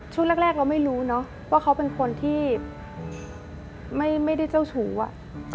ช่วงแรกเราไม่รู้เนอะว่าเขาเป็นคนที่ไม่ได้เจ้าชู้อะ